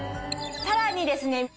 さらにですね